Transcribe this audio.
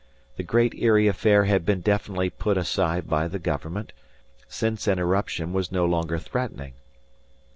The Great Eyrie affair had been definitely put aside by the government, since an eruption was no longer threatening.